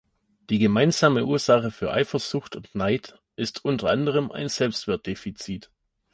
Die gemeinsame Ursache für Eifersucht und Neid ist unter anderem ein Selbstwert-Defizit.